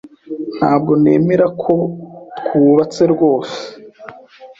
Ntabwo nemera ko twubatse rwose.